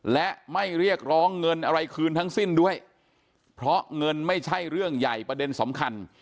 และไม่เรียกร้องเงินอะไรคืนทั้งสิ้นด้วยเพราะเงินไม่ใช่เรื่องใหญ่ประเด็นสำคัญ